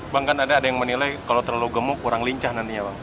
bang kan ada yang menilai kalau terlalu gemuk kurang lincah nantinya bang